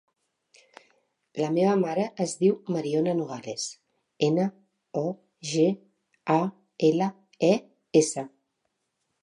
La meva mare es diu Mariona Nogales: ena, o, ge, a, ela, e, essa.